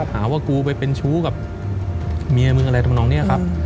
หาว่ากูไปเป็นชู้กับเมียมึงอะไรทำนองนี้ครับ